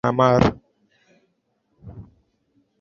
zaidi ya wapiga kura milioni ishirini na tisa nchi nyanmar